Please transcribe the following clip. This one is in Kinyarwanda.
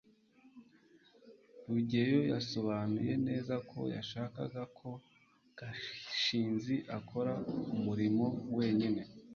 rugeyo yasobanuye neza ko yashakaga ko gashinzi akora umurimo wenyine